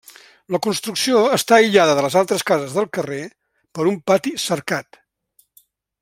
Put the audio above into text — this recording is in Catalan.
La construcció està aïllada de les altres cases del carrer per un pati cercat.